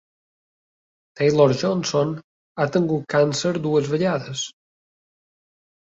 Taylor-Johnson ha tingut càncer dues vegades.